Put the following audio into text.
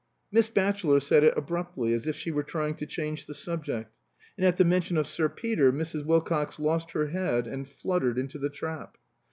Miss Batchelor said it abruptly, as if she were trying to change the subject. And at the mention of Sir Peter Mrs. Wilcox lost her head and fluttered into the trap.